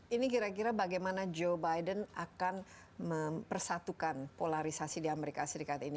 ini kira kira bagaimana joe biden akan mempersatukan polarisasi di amerika serikat ini